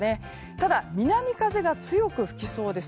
ただ、南風が強く吹きそうです。